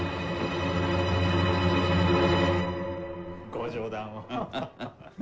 ご冗談を。